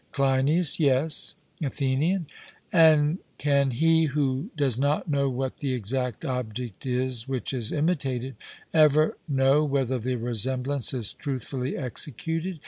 CLEINIAS: Yes. ATHENIAN: And can he who does not know what the exact object is which is imitated, ever know whether the resemblance is truthfully executed?